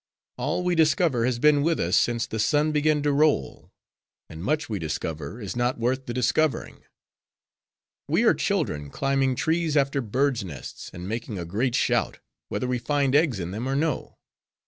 All we discover has been with us since the sun began to roll; and much we discover, is not worth the discovering. We are children, climbing trees after birds' nests, and making a great shout, whether we find eggs in them or no.